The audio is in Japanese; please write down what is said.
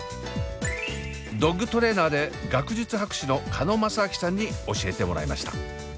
ドッグトレーナーで学術博士の鹿野正顕さんに教えてもらいました。